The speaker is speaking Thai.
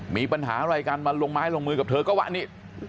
มีปัญหาอะไรกันมาลงไม้ลงมือกับเธอก็ว่าอันนี้